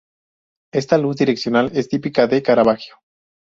Esta luz direccional es típica de Caravaggio.